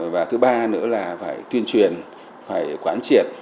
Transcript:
và thứ ba nữa là phải tuyên truyền phải quán triệt